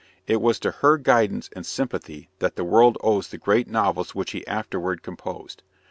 It was to her guidance and sympathy that the world owes the great novels which he afterward composed.